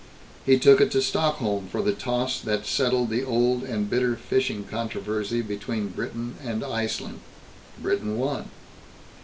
He took it to Stockholm for the toss that settled the old and bitter fishing controversy between Britain and Iceland. Britain won.